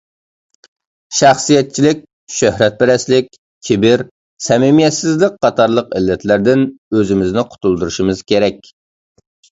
شەخسىيەتچىلىك، شۆھرەتپەرەسلىك، كىبىر، سەمىمىيەتسىزلىك قاتارلىق ئىللەتلەردىن ئۆزىمىزنى قۇتۇلدۇرۇشىمىز كېرەك.